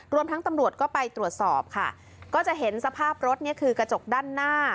รวมทั้งตำรวจก็ไปตรวจสอบค่ะก็จะเห็นสภาพรถเนี่ยคือกระจกด้านหน้า